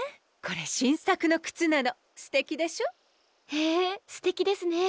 へえすてきですね。